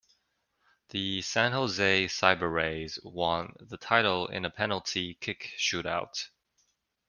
The San Jose CyberRays won the title in a penalty kick shootout.